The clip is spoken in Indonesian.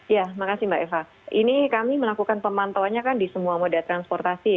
ya makasih mbak eva ini kami melakukan pemantauannya kan di semua moda transportasi